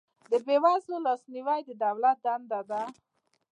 د بې وزلو لاسنیوی د دولت دنده ده